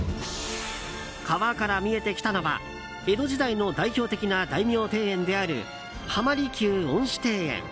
川から見えてきたのは江戸時代の代表的な大名庭園である浜離宮恩賜庭園。